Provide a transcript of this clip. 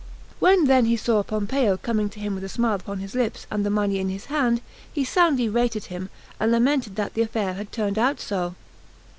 When then he saw Pompeo coming to him with a smile upon his lips and the money in his hand, he soundly rated him, and lamented that the affair had turned out so.